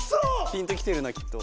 ピンときてるなきっと。